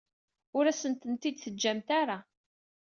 Ur asent-tent-id-teǧǧamt ara.